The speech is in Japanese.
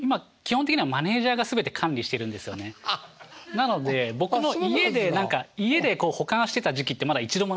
なので僕の家で何か家で保管してた時期ってまだ一度もないんですよ。